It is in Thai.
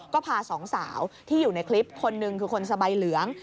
ก็พาสองสาวที่อยู่ในคลิปคนหนึ่งคือคนสบายเหลือง